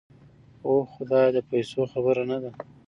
اوح خدايه د پيسو خبره نده.